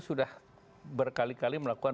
sudah berkali kali melakukan